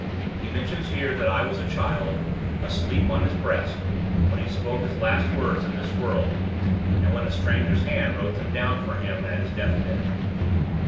He mentions here that I was a child, asleep on his breast, when he spoke his last words in this world, and when a stranger's hand wrote them down for him at his deathbed.